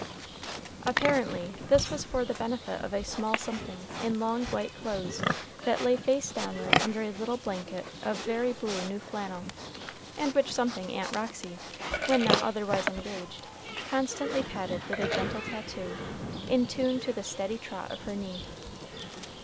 Apparently this was for the benefit of a small something in long white clothes, that lay face downward under a little blanket of very blue new flannel, and which something Aunt Roxy, when not otherwise engaged, constantly patted with a gentle tattoo, in tune to the steady trot of her knee.